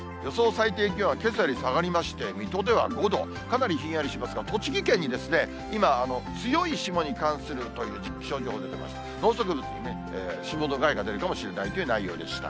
最低気温はけさより下がりまして、水戸では５度、かなりひんやりしますが、栃木県に今、強い霜に関するという気象情報が出てまして、農作物に霜の害が出るかもしれないという内容でした。